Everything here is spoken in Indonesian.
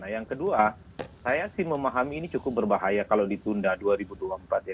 yang kedua saya sih memahami ini cukup berbahaya kalau ditunda dua ribu dua puluh empat ya